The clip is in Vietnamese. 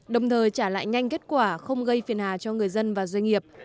đồng thời trả lại nhanh kết quả không gây phiền hà cho người dân và doanh nghiệp